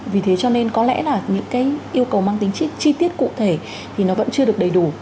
vì thế cho nên có lẽ là những cái yêu cầu mang tính chi tiết cụ thể thì nó vẫn chưa được đầy đủ